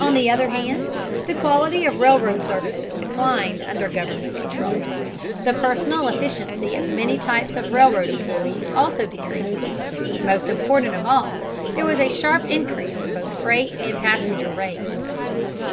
On the other hand, the quality of railroad service declined under government control. The personal efficiency of many types of railroad employees also decreased. Most important of all, there was a sharp increase in both freight and passenger rates.